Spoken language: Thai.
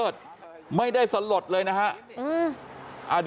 กลับไปลองกลับ